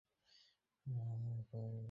দখল কই করলাম, ভাড়া তো দেই প্রতি মাসে।